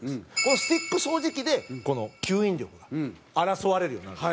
スティック掃除機でこの吸引力が争われるようになるんです。